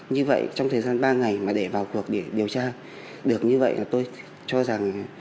như vậy trong thời gian ba ngày mà để vào cuộc để điều tra được như vậy là tôi cho rằng